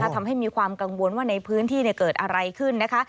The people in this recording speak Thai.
ทำให้มีความกังวลว่าในพื้นที่เกิดอะไรขึ้นนะคะ